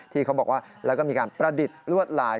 ที่เขาบอกว่าแล้วก็มีการประดิษฐ์ลวดลาย